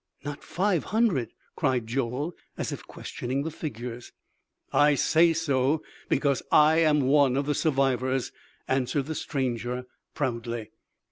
_" "Not five hundred!" cried Joel as if questioning the figures. "I say so because I am one of the survivors," answered the stranger proudly.